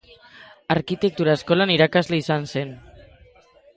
Arkitektura Eskolan irakasle izan zen.